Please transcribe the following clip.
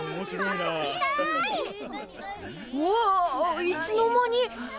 わっいつの間に？